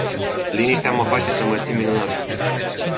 Liniștea mă face să mă simt minunat.